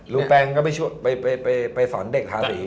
แปงก็ไปสอนเด็กทาสี